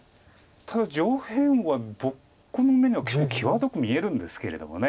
ただ上辺は僕の目には結構際どく見えるんですけれども。